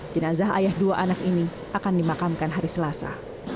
jenazah ayah dua anak ini akan dimakamkan hari selasa